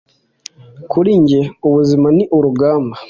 kuri njye, ubuzima ni urugamba.